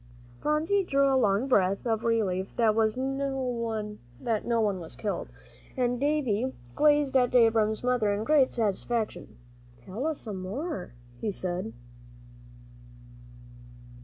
Phronsie drew a long breath of relief that no one was killed. Davie gazed at Abram's mother in great satisfaction. "Tell us some more," he said.